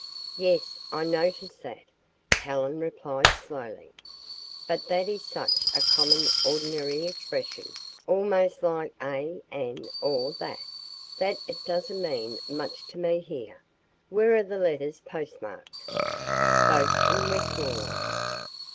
"Yes, I noticed that," Helen replied slowly. But that is such a common, ordinary expression, almost like 'a,' 'an,' or 'the,' that it doesn't mean much to me here. Where are the letters postmarked?" "Both in Westmoreland."